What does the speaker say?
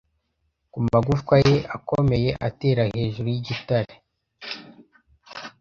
kumagufwa ye akomeye atera hejuru yigitare